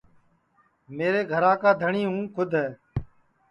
میرے گھرا کا دھٹؔی ہوں کُھد ہے